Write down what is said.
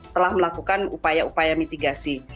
telah melakukan upaya upaya mitigasi